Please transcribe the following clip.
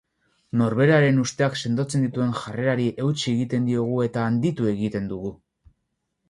Norberaren usteak sendotzen dituen jarrerari eutsi egiten diogu eta handitu egiten dugu.